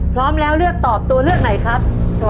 พร้อมแล้วเลือกตอบตัวเลือกไหนครับ